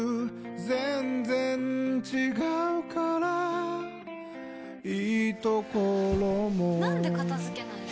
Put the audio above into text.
全然違うからいいところもなんで片付けないの？